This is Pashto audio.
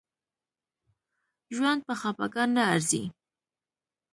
ژوند په خپګان نه ارزي